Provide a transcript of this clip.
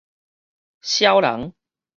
痟人